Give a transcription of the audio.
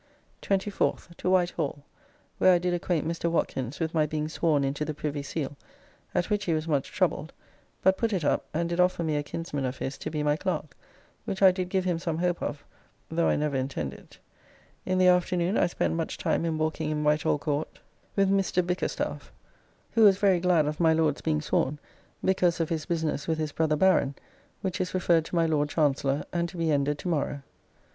24th. To White Hall, where I did acquaint Mr. Watkins with my being sworn into the Privy Seal, at which he was much troubled, but put it up and did offer me a kinsman of his to be my clerk, which I did give him some hope of, though I never intend it. In the afternoon I spent much time in walking in White Hall Court with Mr. Bickerstaffe, who was very glad of my Lord's being sworn, because of his business with his brother Baron, which is referred to my Lord Chancellor, and to be ended to morrow.